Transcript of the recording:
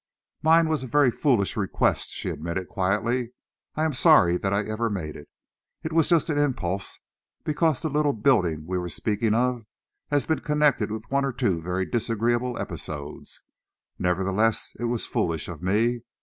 "Mine was a very foolish request," she admitted quietly. "I am sorry that I ever made it. It was just an impulse, because the little building we were speaking of has been connected with one or two very disagreeable episodes. Nevertheless, it was foolish of me.